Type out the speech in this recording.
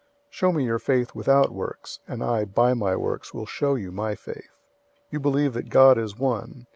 Show me your faith without works, and I by my works will show you my faith. 002:019 You believe that God is one.